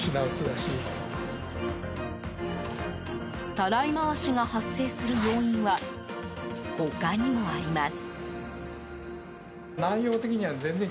たらい回しが発生する要因は他にもあります。